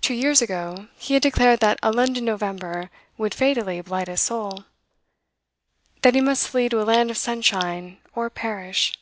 Two years ago he had declared that a London November would fatally blight his soul; that he must flee to a land of sunshine, or perish.